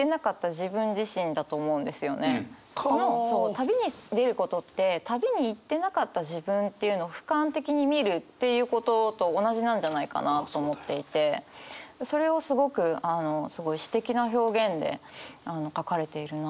旅に出ることって旅に行ってなかった自分っていうのをふかん的に見るということと同じなんじゃないかなと思っていてそれをすごく詩的な表現で書かれているなと思いました。